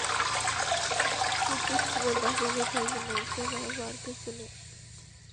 মৃত্যুর সময় পাশে কেউ থাকবে না, এর চেয়ে ভয়াবহ আর কিছু নেই।